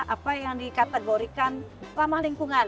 apa yang dikategorikan ramah lingkungan